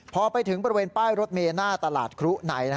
พอไปถึงบริเวณป้ายรถเมลหน้าตลาดครุใน